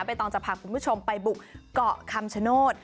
ต้องจะพาคุณผู้ชมไปบุกเกาะคำชโนธ